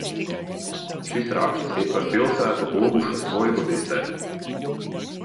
Šis raksts ir par pilsētu Lubušas vojevodistē.